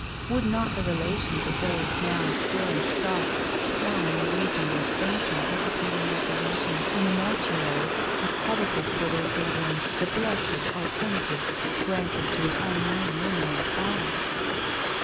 Would not the relations of those now still and stark, lying awaiting their faint and hesitating recognition in a mortuary, have coveted for their dead ones the blessed alternative granted to the unknown woman inside?